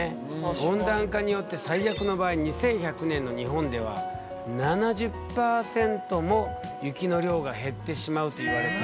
温暖化によって最悪の場合２１００年の日本では７０％も雪の量が減ってしまうといわれている。